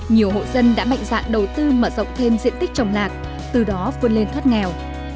nhiều hộ dân đã mạnh dạn đầu tư mở rộng thêm diện tích trồng lạc từ đó vươn lên thoát nghèo